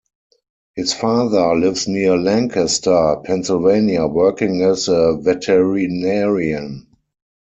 His father lives near Lancaster, Pennsylvania working as a veterinarian.